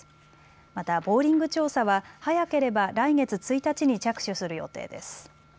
また、ボーリング調査は早ければ来月１日に着手する予定です。